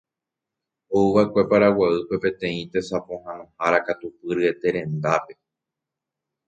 Ouva'ekue Paraguaýpe peteĩ tesapohãnohára katupyryete rendápe